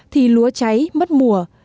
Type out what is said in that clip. thì lúa cháy mất mùa